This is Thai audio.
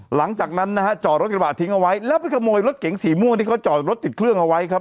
หลังจากนั้นนะฮะจอดรถกระบะทิ้งเอาไว้แล้วไปขโมยรถเก๋งสีม่วงที่เขาจอดรถติดเครื่องเอาไว้ครับ